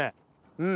うん！